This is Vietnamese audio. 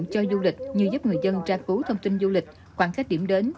cho du lịch như giúp người dân tra cứu thông tin du lịch khoảng cách điểm đến